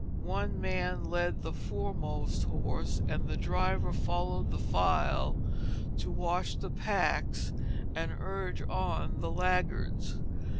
One man led the foremost horse, and the driver followed the file to watch the packs and urge on the laggards.